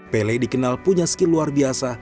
pele dikenal punya skill luar biasa